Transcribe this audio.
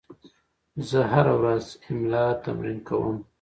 زه هره ورځ املا تمرین کوم.